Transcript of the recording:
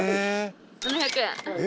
７００円。